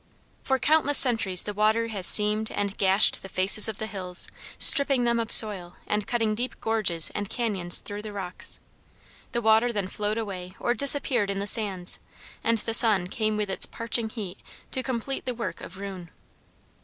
For countless centuries the water has seamed and gashed the face of the hills, stripping them of soil, and cutting deep gorges and cañons through the rocks. The water then flowed away or disappeared in the sands, and the sun came with its parching heat to complete the work of ruin.